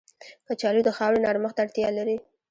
کچالو د خاورې نرمښت ته اړتیا لري